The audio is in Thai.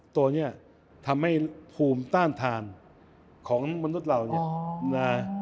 ตัวนี้ทำให้ภูมิต้านทานของมนุษย์เราเนี่ยนะ